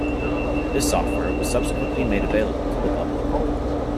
This software was subsequently made available to the public.